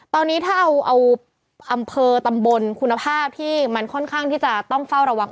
ตอนนี้ถ้าเอาอำเภอตำบลคุณภาพที่มันค่อนข้างที่จะต้องเฝ้าระวัง